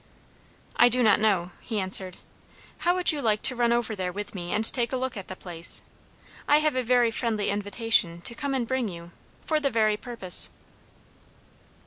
"I do not know," he answered. "How would you like to run over there with me and take a look at the place? I have a very friendly invitation to come and bring you, for the very purpose."